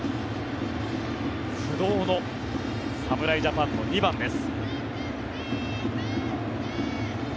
不動の侍ジャパンの２番です。